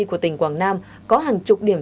của tỉnh quảng nam có hàng chục điểm